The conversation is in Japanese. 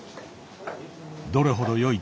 どれほど良い